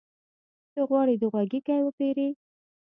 ته غواړې د غوږيکې وپېرې؟